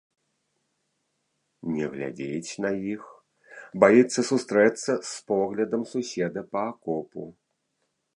Не глядзіць на іх, баіцца сустрэцца з поглядам суседа па акопу.